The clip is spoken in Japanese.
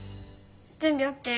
準備ＯＫ。